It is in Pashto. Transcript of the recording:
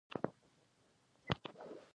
دیکان زیات شين چای څوروي.